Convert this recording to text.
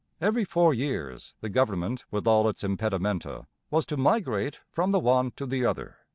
Every four years the government with all its impedimenta was to migrate from the one to the other.